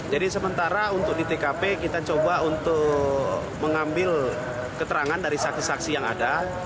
jadi sementara untuk di tkp kita coba untuk mengambil keterangan dari saksi saksi yang ada